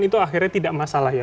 itu akhirnya tidak masalah ya